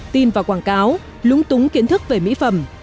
tin và quảng cáo lúng túng kiến thức về mỹ phẩm